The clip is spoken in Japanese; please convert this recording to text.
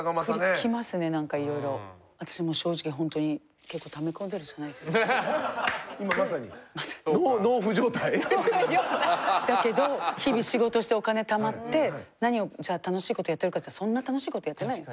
私もう正直ほんとにだけど日々仕事してお金貯まって何を楽しいことやってるかっていったらそんな楽しいことやってないよ。